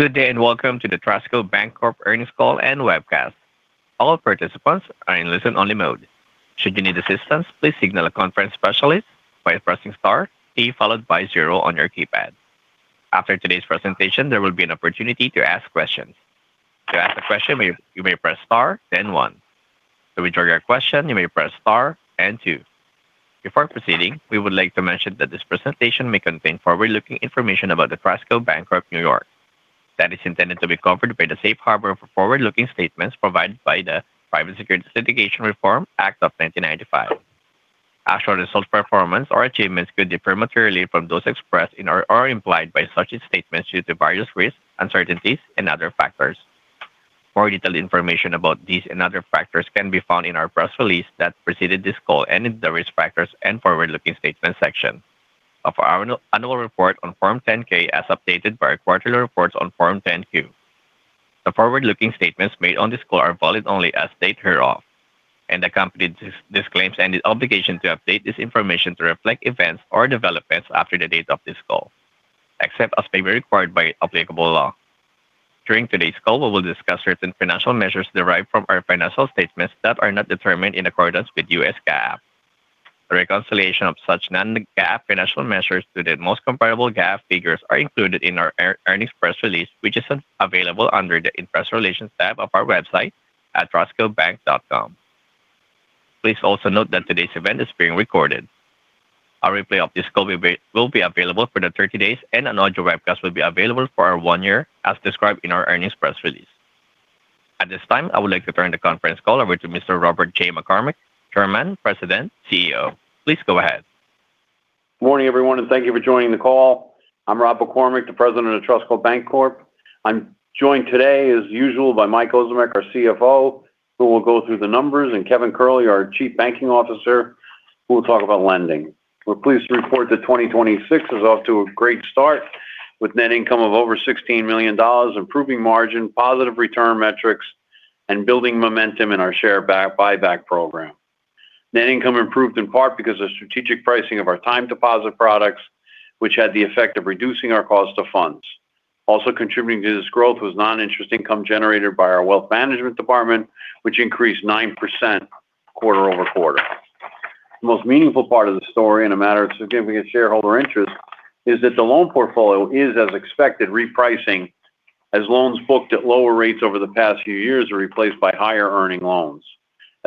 Good day, and welcome to the Trustco Bank Corp earnings call and webcast. All participants are in listen-only mode. Should you need assistance, please signal a conference specialist by pressing star key, followed by zero on your keypad. After today's presentation, there will be an opportunity to ask questions. To ask a question, you may press star, then one. To withdraw your question, you may press star and two. Before proceeding, we would like to mention that this presentation may contain forward-looking information about the Trustco Bank Corp of New York that is intended to be covered by the safe harbor for forward-looking statements provided by the Private Securities Litigation Reform Act of 1995. Actual results, performance, or achievements could differ materially from those expressed or implied by such statements due to various risks, uncertainties, and other factors. More detailed information about these and other factors can be found in our press release that preceded this call and in the Risk Factors and Forward-Looking Statements section of our annual report on Form 10-K, as updated by our quarterly reports on Form 10-Q. The forward-looking statements made on this call are valid only as of the date hereof, and the company disclaims any obligation to update this information to reflect events or developments after the date of this call, except as may be required by applicable law. During today's call, we will discuss certain financial measures derived from our financial statements that are not determined in accordance with U.S. GAAP. A reconciliation of such non-GAAP financial measures to the most comparable GAAP figures are included in our earnings press release, which is available under the Investor Relations tab of our website at trustcobank.com. Please also note that today's event is being recorded. A replay of this call will be available for 30 days, and an audio webcast will be available for one year, as described in our earnings press release. At this time, I would like to turn the conference call over to Mr. Robert J. McCormick, Chairman, President, CEO. Please go ahead. Morning, everyone, and thank you for joining the call. I'm Rob McCormick, the President of Trustco Bank Corp. I'm joined today, as usual, by Mike Ozimek, our CFO, who will go through the numbers, and Kevin Curley, our Chief Banking Officer, who will talk about lending. We're pleased to report that 2026 is off to a great start with net income of over $16 million, improving margin, positive return metrics, and building momentum in our share buyback program. Net income improved in part because of strategic pricing of our time deposit products, which had the effect of reducing our cost of funds. Also contributing to this growth was non-interest income generated by our wealth management department, which increased 9% quarter-over-quarter. The most meaningful part of the story and a matter of significant shareholder interest is that the loan portfolio is, as expected, repricing as loans booked at lower rates over the past few years are replaced by higher-earning loans.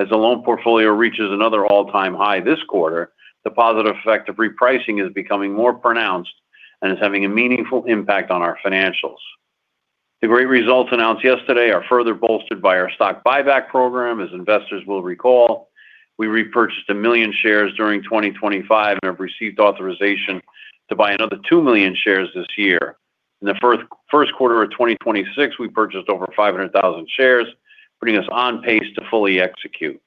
As the loan portfolio reaches another all-time high this quarter, the positive effect of repricing is becoming more pronounced and is having a meaningful impact on our financials. The great results announced yesterday are further bolstered by our stock buyback program. As investors will recall, we repurchased one million shares during 2025 and have received authorization to buy another two million shares this year. In the first quarter of 2026, we purchased over 500,000 shares, putting us on pace to fully execute.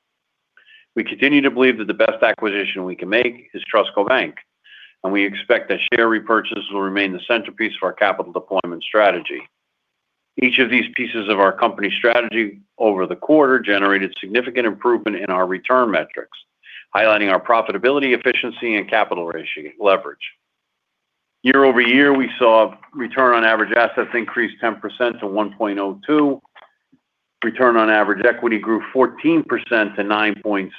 We continue to believe that the best acquisition we can make is Trustco Bank, and we expect that share repurchases will remain the centerpiece of our capital deployment strategy. Each of these pieces of our company strategy over the quarter generated significant improvement in our return metrics, highlighting our profitability, efficiency, and capital leverage. Year-over-year, we saw return on average assets increase 10% to 1.02. Return on average equity grew 14% to 9.66.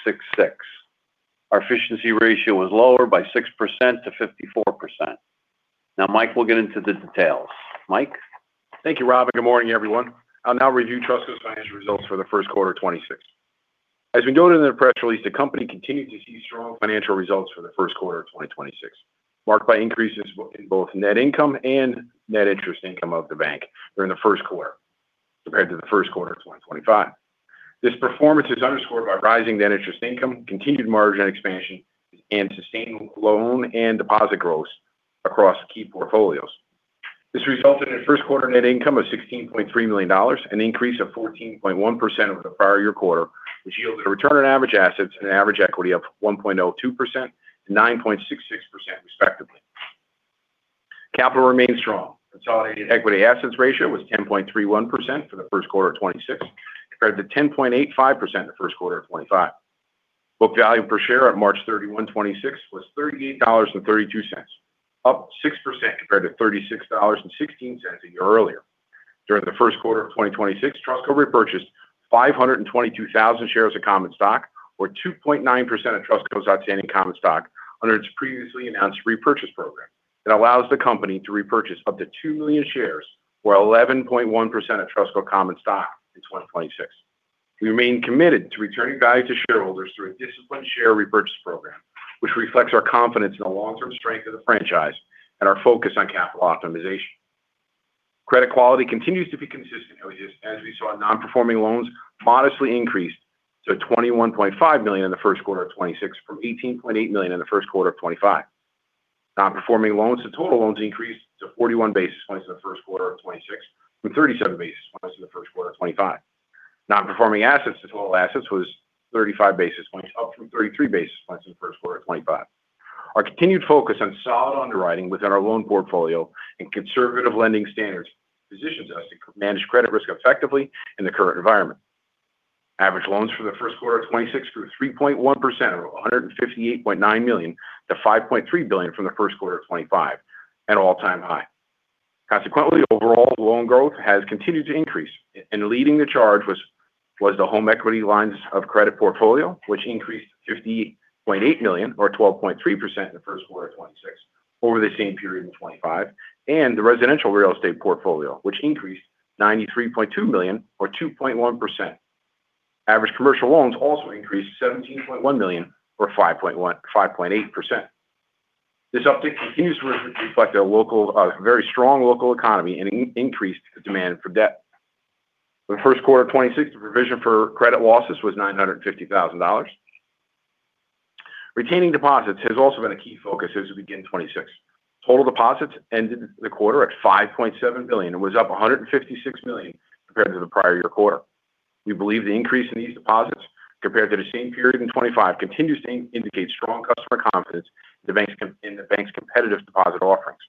Our efficiency ratio was lower by 6%- 54%. Now Mike will get into the details. Mike? Thank you, Rob, and good morning, everyone. I'll now review Trustco's financial results for the first quarter of 2026. As we noted in the press release, the company continued to see strong financial results for the first quarter of 2026, marked by increases in both net income and net interest income of the bank during the first quarter compared to the first quarter of 2025. This performance is underscored by rising net interest income, continued margin expansion, and sustained loan and deposit growth across key portfolios. This resulted in first quarter net income of $16.3 million, an increase of 14.1% over the prior year quarter, which yielded a return on average assets and average equity of 1.02% and 9.66%, respectively. Capital remains strong. Consolidated equity-to-assets ratio was 10.31% for the first quarter of 2026 compared to 10.85% in the first quarter of 2025. Book value per share on March 31, 2026 was $38.32, up 6% compared to $36.16 a year earlier. During the first quarter of 2026, Trustco repurchased 522,000 shares of common stock, or 2.9% of Trustco's outstanding common stock, under its previously announced repurchase program. It allows the company to repurchase up to two million shares, or 11.1% of Trustco common stock in 2026. We remain committed to returning value to shareholders through a disciplined share repurchase program, which reflects our confidence in the long-term strength of the franchise and our focus on capital optimization. Credit quality continues to be consistent as we saw non-performing loans modestly increase to $21.5 million in the first quarter of 2026 from $18.8 million in the first quarter of 2025. Non-performing loans to total loans increased to 41 basis points in the first quarter of 2026 from 37 basis points in the first quarter of 2025. Non-performing assets to total assets was 35 basis points up from 33 basis points in the first quarter of 2025. Our continued focus on solid underwriting within our loan portfolio and conservative lending standards positions us to manage credit risk effectively in the current environment. Average loans for the first quarter of 2026 grew 3.1%, or $158.9 million to $5.3 billion from the first quarter of 2025, an all-time high. Consequently, overall loan growth has continued to increase, and leading the charge was the home equity lines of credit portfolio, which increased to $50.8 million, or 12.3% in the first quarter of 2026 over the same period in 2025. The residential real estate portfolio, which increased $93.2 million, or 2.1%. Average commercial loans also increased $17.1 million, or 5.8%. This uptick continues to reflect a very strong local economy and increased demand for debt. For the first quarter of 2026, the provision for credit losses was $950,000. Retaining deposits has also been a key focus as we begin 2026. Total deposits ended the quarter at $5.7 billion and was up $156 million compared to the prior year quarter. We believe the increase in these deposits compared to the same period in 2025 continues to indicate strong customer confidence in the bank's competitive deposit offerings.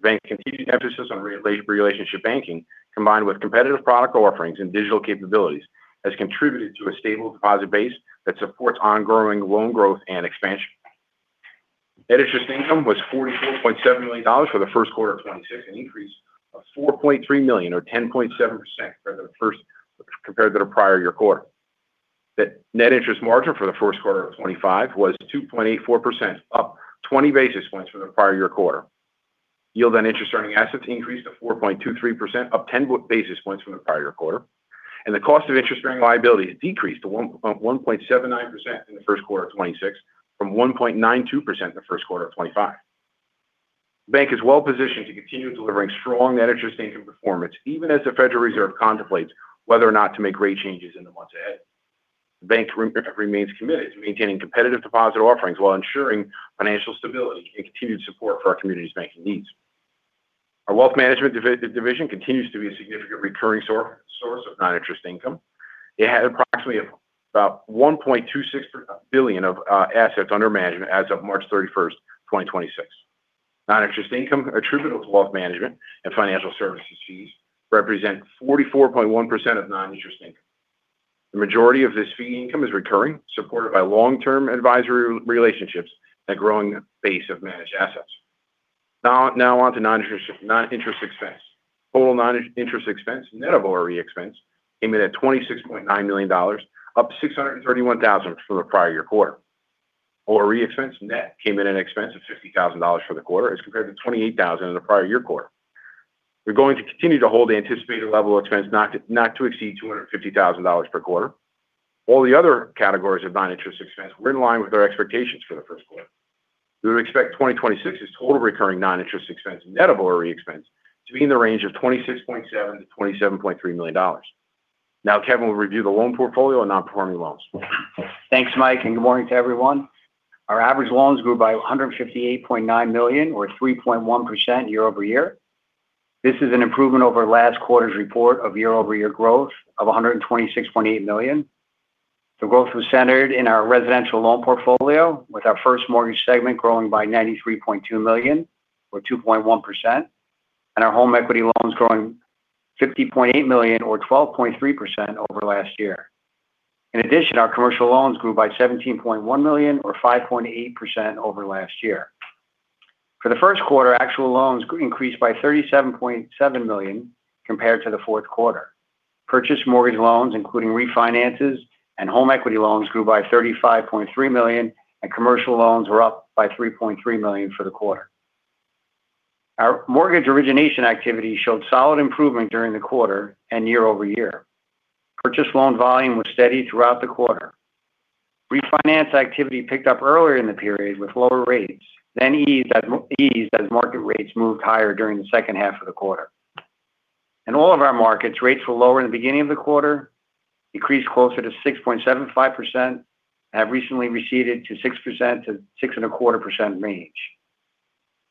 The bank's continued emphasis on relationship banking, combined with competitive product offerings and digital capabilities, has contributed to a stable deposit base that supports ongoing loan growth and expansion. Net interest income was $44.7 million for the first quarter of 2026, an increase of $4.3 million or 10.7% compared to the prior year quarter. The net interest margin for the first quarter of 2025 was 2.84%, up 20 basis points from the prior year quarter. Yield on interest-earning assets increased to 4.23%, up 10 basis points from the prior year quarter, and the cost of interest-earning liability decreased to 1.79% in the first quarter of 2026 from 1.92% in the first quarter of 2025. The bank is well positioned to continue delivering strong net interest income performance, even as the Federal Reserve contemplates whether or not to make rate changes in the months ahead. The bank remains committed to maintaining competitive deposit offerings while ensuring financial stability and continued support for our community's banking needs. Our wealth management division continues to be a significant recurring source of non-interest income. It had approximately $1.26 billion of assets under management as of March 31st, 2026. Non-interest income attributable to wealth management and financial services fees represent 44.1% of non-interest income. The majority of this fee income is recurring, supported by long-term advisory relationships and a growing base of managed assets. Now on to non-interest expense. Total non-interest expense, net of ORE expense, came in at $26.9 million, up $631,000 from the prior year quarter. ORE expense net came in an expense of $50,000 for the quarter as compared to $28,000 in the prior year quarter. We're going to continue to hold the anticipated level of expense not to exceed $250,000 per quarter. All the other categories of non-interest expense were in line with our expectations for the first quarter. We would expect 2026's total recurring non-interest expense, net of ORE expense, to be in the range of $26.7-$27.3 million. Now Kevin will review the loan portfolio and non-performing loans. Thanks, Mike, and good morning to everyone. Our average loans grew by $158.9 million or 3.1% year-over-year. This is an improvement over last quarter's report of year-over-year growth of $126.8 million. The growth was centered in our residential loan portfolio with our first mortgage segment growing by $93.2 million or 2.1%, and our home equity loans growing $50.8 million or 12.3% over last year. In addition, our commercial loans grew by $17.1 million or 5.8% over last year. For the first quarter, actual loans increased by $37.7 million compared to the fourth quarter. Purchased mortgage loans, including refinances and home equity loans, grew by $35.3 million, and commercial loans were up by $3.3 million for the quarter. Our mortgage origination activity showed solid improvement during the quarter and year-over-year. Purchased loan volume was steady throughout the quarter. Refinance activity picked up earlier in the period with lower rates, then eased as market rates moved higher during the second half of the quarter. In all of our markets, rates were lower in the beginning of the quarter, increased closer to 6.75%, and have recently receded to 6%-6.25% range.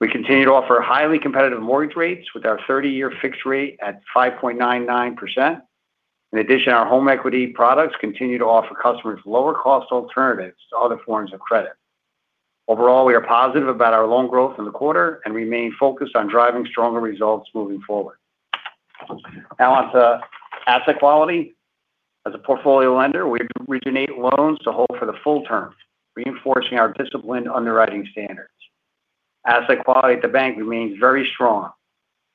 We continue to offer highly competitive mortgage rates with our 30-year fixed rate at 5.99%. In addition, our home equity products continue to offer customers lower cost alternatives to other forms of credit. Overall, we are positive about our loan growth in the quarter and remain focused on driving stronger results moving forward. Now on to asset quality. As a portfolio lender, we originate loans to hold for the full term, reinforcing our disciplined underwriting standards. Asset quality at the bank remains very strong.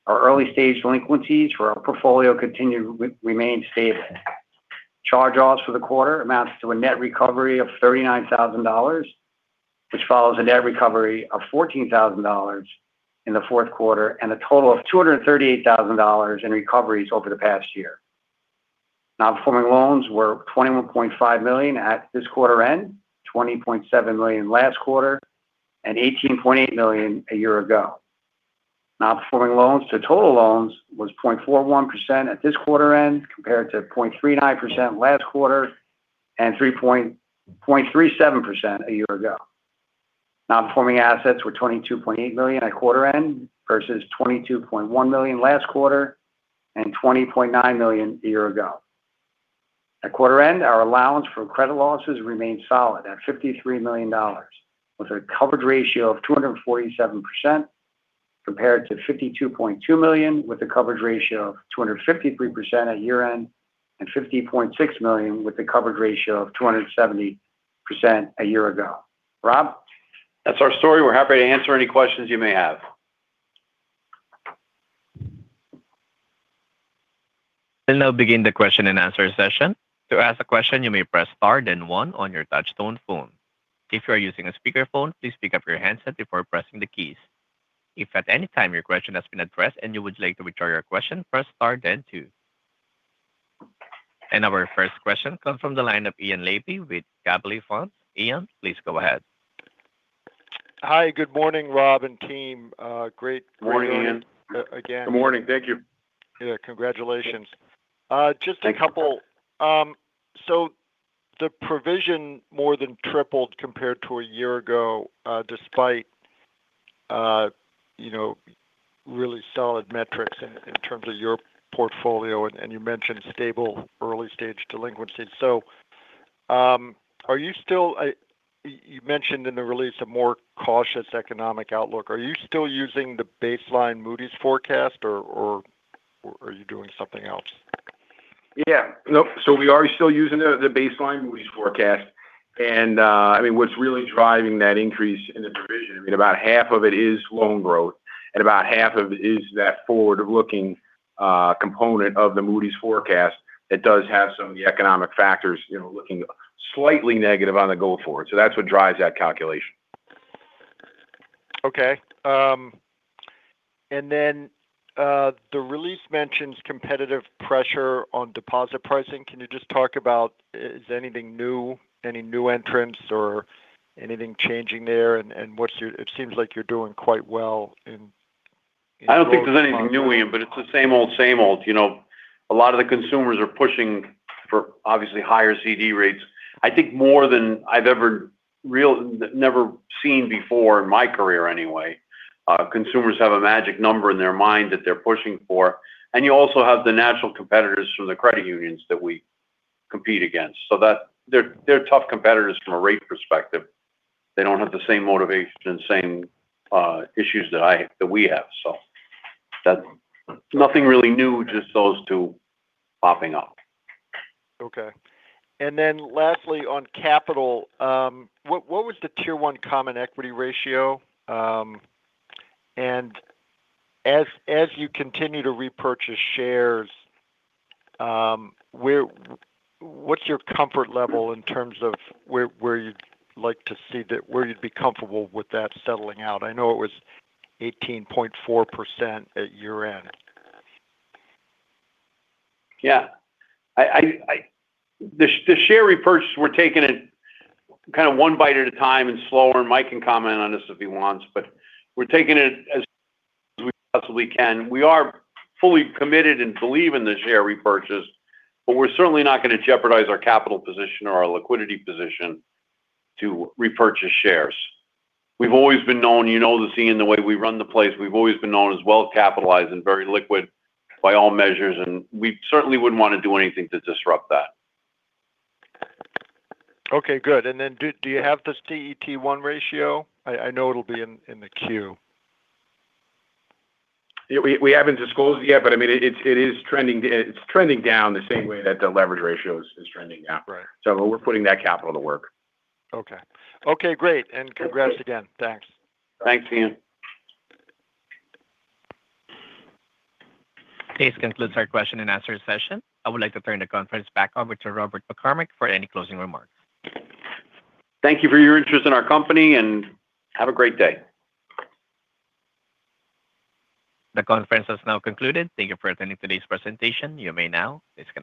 Our early-stage delinquencies for our portfolio remain stable. Charge-offs for the quarter amounts to a net recovery of $39,000, which follows a net recovery of $14,000 in the fourth quarter and a total of $238,000 in recoveries over the past year. Non-performing loans were $21.5 million at this quarter end, $20.7 million last quarter, and $18.8 million a year ago. Non-performing loans to total loans was 0.41% at this quarter end, compared to 0.39% last quarter and 0.37% a year ago. Non-performing assets were $22.8 million at quarter end versus $22.1 million last quarter and $20.9 million a year ago. At quarter end, our allowance for credit losses remained solid at $53 million, with a coverage ratio of 247%. Compared to $52.2 million, with a coverage ratio of 253% at year-end, and $50.6 million with a coverage ratio of 270% a year ago. Rob? That's our story. We're happy to answer any questions you may have. We'll now begin the question and answer session. To ask a question, you may press star then one on your touch tone phone. If you are using a speakerphone, please pick up your handset before pressing the keys. If at any time your question has been addressed and you would like to withdraw your question, press star then two. Our first question comes from the line of Ian Lapey with Gabelli Funds. Ian, please go ahead. Hi, good morning, Rob and team. Great Morning, Ian. Again. Good morning. Thank you. Yeah, congratulations. Thanks. Just a couple. The provision more than tripled compared to a year ago, despite really solid metrics in terms of your portfolio. You mentioned stable early-stage delinquencies. You mentioned in the release a more cautious economic outlook. Are you still using the baseline Moody's forecast, or are you doing something else? Yeah. No. We are still using the baseline Moody's forecast. What's really driving that increase in the provision, about half of it is loan growth and about half of it is that forward-looking component of the Moody's forecast that does have some of the economic factors looking slightly negative on the go forward. That's what drives that calculation. Okay. The release mentions competitive pressure on deposit pricing. Can you just talk about, is anything new, any new entrants or anything changing there? It seems like you're doing quite well in- I don't think there's anything new, Ian, but it's the same old, same old. A lot of the consumers are pushing for, obviously, higher CD rates. I think more than I've ever seen before, in my career anyway, consumers have a magic number in their mind that they're pushing for. You also have the natural competitors from the credit unions that we compete against. They're tough competitors from a rate perspective. They don't have the same motivation, same issues that we have. Nothing really new, just those two popping up. Okay. Lastly, on capital, what was the Common Equity Tier 1 ratio? As you continue to repurchase shares, what's your comfort level in terms of where you'd be comfortable with that settling out? I know it was 18.4% at year-end. Yeah. The share repurchase, we're taking it kind of one bite at a time and slower. Mike can comment on this if he wants, but we're taking it as we possibly can. We are fully committed and believe in the share repurchase. But we're certainly not going to jeopardize our capital position or our liquidity position to repurchase shares. You know the scene and the way we run the place. We've always been known as well-capitalized and very liquid by all measures, and we certainly wouldn't want to do anything to disrupt that. Okay, good. Do you have the CET1 ratio? I know it'll be in the queue. Yeah, we haven't disclosed it yet, but it's trending down the same way that the leverage ratio is trending down. Right. We're putting that capital to work. Okay. Okay, great. Congrats again. Thanks. Thanks, Ian. This concludes our question-and-answer session. I would like to turn the conference back over to Robert McCormick for any closing remarks. Thank you for your interest in our company, and have a great day. The conference has now concluded. Thank you for attending today's presentation. You may now disconnect.